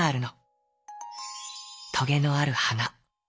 トゲのあるはな。